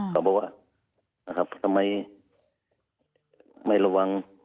เขาบอกว่าทำไมได้ระวัง